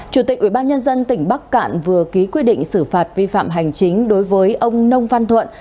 chủ tịch ubnd tỉnh bắc cạn vừa ký quyết định xử phạt vi phạm hành chính đối với ông nông văn thuận